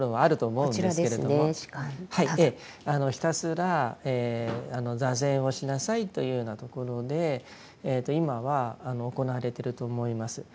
ひたすら坐禅をしなさいというようところで今は行われていると思います。